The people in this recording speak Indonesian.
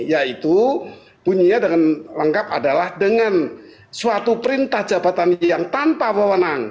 yaitu bunyinya dengan lengkap adalah dengan suatu perintah jabatan yang tanpa pewenang